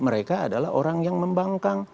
mereka adalah orang yang membangkang